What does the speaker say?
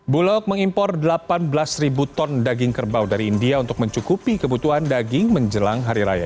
bulog mengimpor delapan belas ribu ton daging kerbau dari india untuk mencukupi kebutuhan daging menjelang hari raya